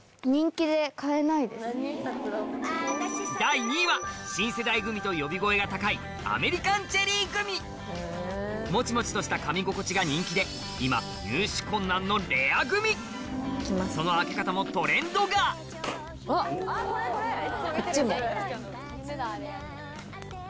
第２位は新世代グミと呼び声が高いもちもちとした噛み心地が人気で今その開け方もトレンドがこっちも。